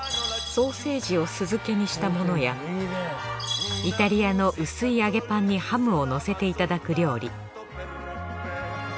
ソーセージを酢漬けにしたものやイタリアの薄い揚げパンにハムをのせていただく料理。